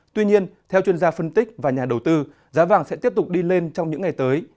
tuy nhiên theo chuyên gia phân tích và nhà đầu tư giá vàng sẽ tiếp tục đi lên trong những ngày tới